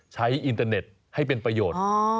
อินเตอร์เน็ตให้เป็นประโยชน์